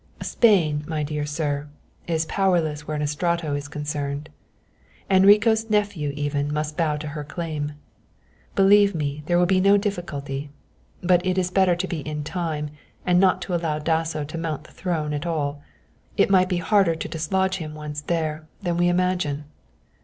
"Spain, my dear sir, is powerless where an Estrato is concerned. Enrico's nephew even must bow to her claim. Believe me there will be no difficulty; but it is better to be in time and not to allow Dasso to mount the throne at all. It might be harder to dislodge him once there, than we imagine."